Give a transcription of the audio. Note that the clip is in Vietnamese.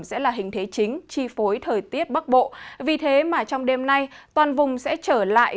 sẽ là hình thế chính chi phối thời tiết bắc bộ vì thế mà trong đêm nay toàn vùng sẽ trở lại